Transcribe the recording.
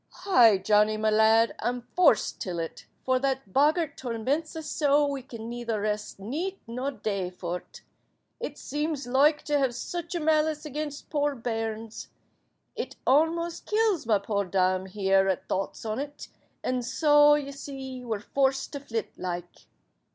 "Heigh, Johnny, ma lad, I'm forc'd till it, for that boggart torments us soa we can neither rest neet nor day for't. It seems loike to have such a malice again't poor bairns. It ommost kills my poor dame here at thoughts on't, and soa, ye see, we're forc'd to flitt like."